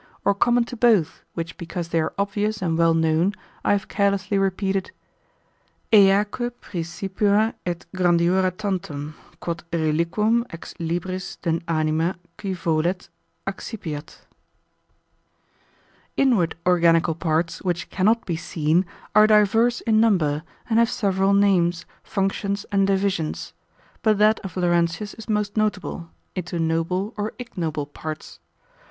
Or common to both, which, because they are obvious and well known, I have carelessly repeated, eaque praecipua et grandiora tantum; quod reliquum ex libris de anima qui volet, accipiat. Inward organical parts, which cannot be seen, are divers in number, and have several names, functions, and divisions; but that of Laurentius is most notable, into noble or ignoble parts.